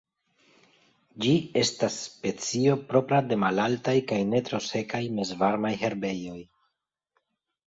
Ĝi estas specio propra de malaltaj kaj ne tro sekaj mezvarmaj herbejoj.